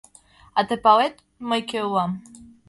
А тый палет, мый кӧ улам?